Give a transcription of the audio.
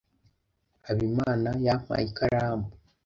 habimana yampaye ikaramu